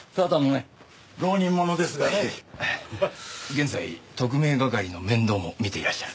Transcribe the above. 現在特命係の面倒も見ていらっしゃる。